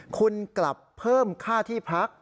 คุณกลับเพิ่มค่าที่พัก